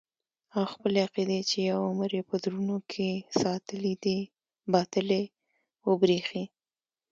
او خپلې عقيدې چې يو عمر يې په زړونو کښې ساتلې دي باطلې وبريښي.